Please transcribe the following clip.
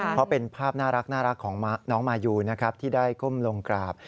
เพราะเป็นภาพน่ารักของน้องมายูนะครับที่ได้ก้มลงกราบ